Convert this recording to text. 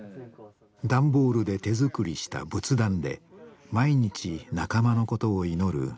段ボールで手作りした仏壇で毎日仲間のことを祈る